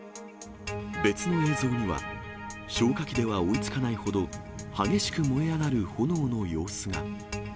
別の映像には、消火器では追いつかないほど、激しく燃え上がる炎の様子が。